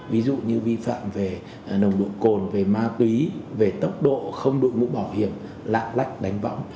ví dụ như vi phạm về nồng độ cồn về ma túy về tốc độ không đội mũ bảo hiểm lạng lách đánh võng